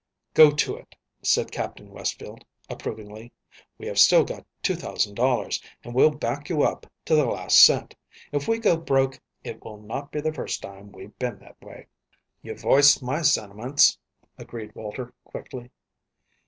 "Go to it," said Captain Westfield, approvingly. "We have still got $2,000, and we'll back you up to the last cent. If we go broke, it will not be the first time we've been that way." "You've voiced my sentiments," agreed Walter, quickly.